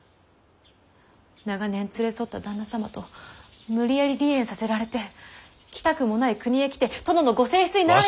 長年連れ添った旦那様と無理やり離縁させられて来たくもない国へ来て殿のご正室になられた。